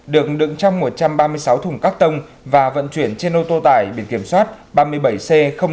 được đựng trong một trăm ba mươi sáu thùng các tông và vận chuyển trên ô tô tải bị kiểm soát ba mươi bảy c năm nghìn bốn trăm hai mươi một